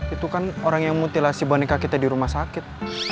itu kan orang yang mutilasi boneka kita di rumah sakit